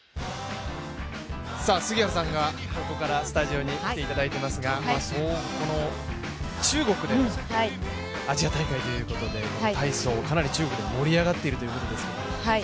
杉原さんがここからスタジオに来ていただいていますが、中国でアジア大会ということで体操かなり中国で盛り上がっているということですけど。